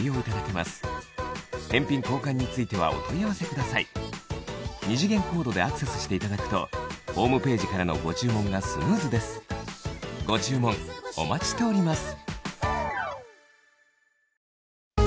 簡単接続でテレビの音がクリアに聞こえる二次元コードでアクセスしていただくとホームページからのご注文がスムーズですご注文お待ちしております